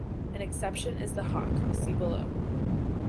An exception is the "Hoc" (see below).